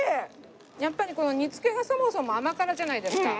やっぱりこの煮付けがそもそも甘辛じゃないですか。